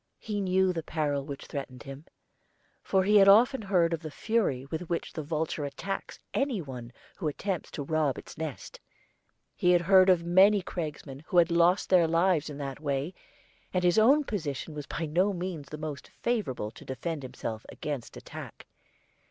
He knew the peril which threatened him, for he had often heard of the fury with which the vulture attacks any one who attempts to rob its nest. He had heard of many cragsmen who had lost their lives in that way, and his own position was by no means the most favorable to defend himself against attack.